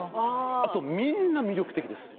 あとみんな魅力的です。